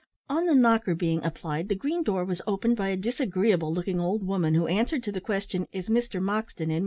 On the knocker being applied, the green door was opened by a disagreeable looking old woman, who answered to the question, "Is Mr Moxton in?"